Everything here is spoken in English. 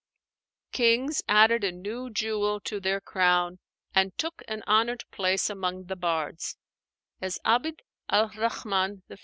Kings added a new jewel to their crown, and took an honored place among the bards; as 'Abd al Rahmán I.